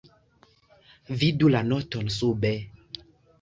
Vidu la noton sube.